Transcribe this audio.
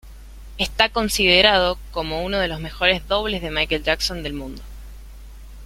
Está considerado como uno de los mejores dobles de Michael Jackson del mundo.